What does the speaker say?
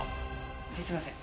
はいすいません